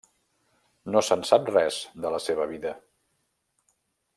No se'n sap res de la seva vida.